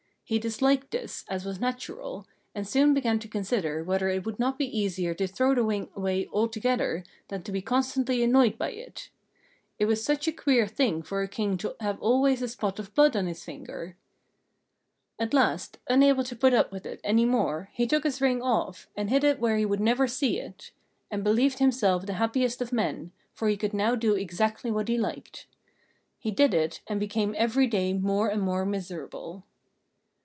He disliked this, as was natural, and soon began to consider whether it would not be easier to throw the ring away altogether than to be constantly annoyed by it. It was such a queer thing for a King to have always a spot of blood on his finger! At last, unable to put up with it any more, he took his ring off, and hid it where he would never see it; and believed himself the happiest of men, for he could now do exactly what he liked. He did it, and became every day more and more miserable.